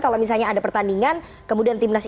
kalau misalnya ada pertandingan kemudian timnas